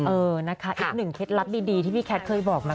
เออนะคะอีกหนึ่งเคล็ดลับดีที่พี่แคทเคยบอกมา